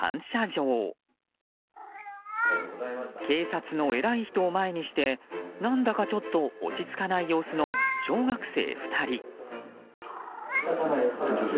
警察の偉い人を前にして何だかちょっと落ち着かない様子の小学生２人。